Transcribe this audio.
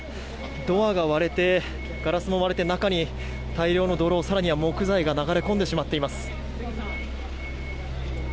ドアが割れてガラスも割れて中に大量の泥、更には木材が流れ込んでしまっています。